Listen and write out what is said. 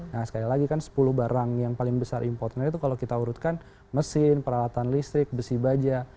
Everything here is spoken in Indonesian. nah sekali lagi kan sepuluh barang yang paling besar importnya itu kalau kita urutkan mesin peralatan listrik besi baja